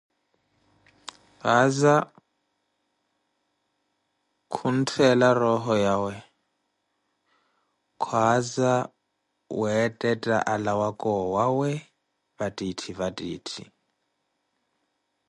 Kasa, khunttela roho yawe, khwaaza weettetta alawaka owawe, vattitthi vattitthi!